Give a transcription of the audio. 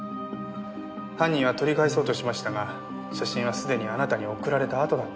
犯人は取り返そうとしましたが写真はすでにあなたに送られたあとだった。